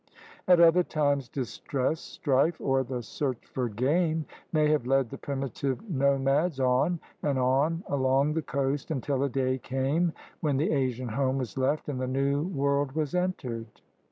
At other times distress, strife, or the search for game may have led the primitive no mads on and on along the coast until a day came when the Asian home was left and the New World was entered.